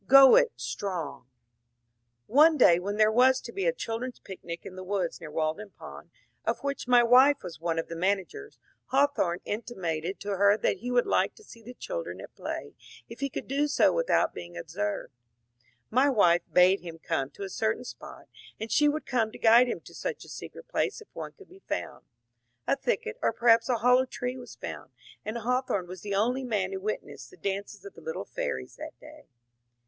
Go it Strong ! HAWTHORNE AT CONCORD 387 One day when there was to be a children's picnic in the woods near Walden Pond, of which my wife was one of the managers, Hawthorne intimated to her that he would like to see the children at play if he could do so without being ob served. My wife bade him come to a certain spot, and she would come to guide him to such a secret place if one could be found. A thicket or perhaps a hollow tree was found, and Hawthorne was the only man who witnessed the dances of the little fairies that day.